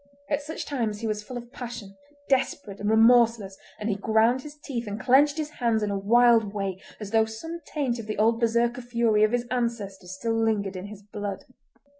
At such times he was full of passion—desperate and remorseless—and he ground his teeth and clenched his hands in a wild way as though some taint of the old Berserker fury of his ancestors still lingered in his blood.